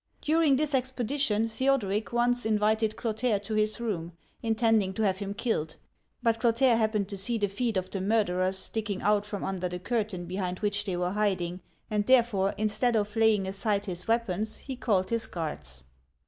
During this expedi tion, Theoderic once invited Clotaire to his room, intending to have him killed ; but Clotaire happened to see thefeet of the murderers sticking out from under the curtain behind which they were hiding, and therefore, instead of laying aside his weapons, he called his guards.